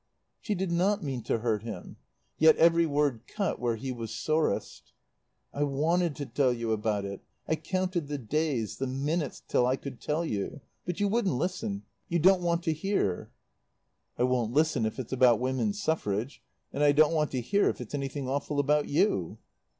She did not mean to hurt him, yet every word cut where he was sorest. "I wanted to tell you about it. I counted the days, the minutes till I could tell you; but you wouldn't listen. You don't want to hear." "I won't listen if it's about women's suffrage. And I don't want to hear if it's anything awful about you."